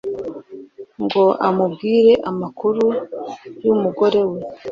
ngo amubwire amakuru y’umugorewe